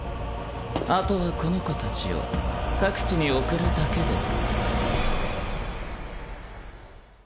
あとはこの子たちを各地に送るだけです。